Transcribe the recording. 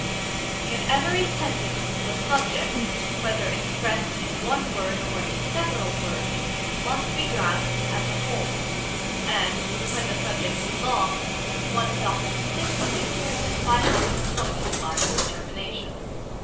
In every sentence the subject, whether expressed in one word or in several words, must be grasped as a whole; and, when the subject is long, one is often assisted in doing this by having a point to mark its termination.